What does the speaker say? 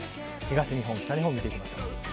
東日本、北日本見ていきましょう。